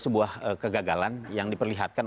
sebuah kegagalan yang diperlihatkan